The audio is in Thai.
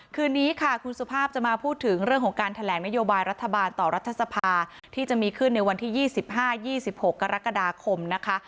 คืนนี้ค่ะคุณสุภาพจะมาพูดถึงเรื่องของการแถลงนโยบายรัฐบาลต่อรัฐสภาที่จะมีขึ้นในวันที่๒๕๒๖กรกฎาคมนะคะ